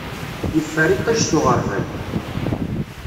Yeffer iṭij s uɣerbal.